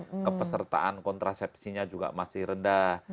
masih rendah kepesertaan kontrasepsi nya juga masih rendah